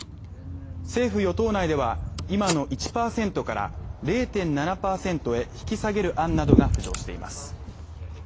政府・与党内では、今の１％から０．７％へ引き下げる案などが浮上しています。